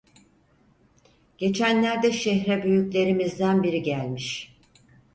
Geçenlerde şehre büyüklerimizden biri gelmiş.